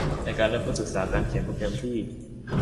ในการเริ่มต้นศึกษาการเขียนโปรแกรมที่